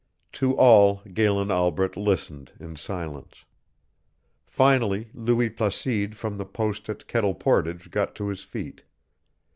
To all Galen Albret listened in silence. Finally Louis Placide from the post at Kettle Portage got to his feet.